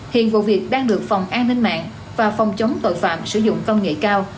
hiện vụ việc đang được phòng an ninh mạng và phòng chống tội phạm sử dụng công nghệ cao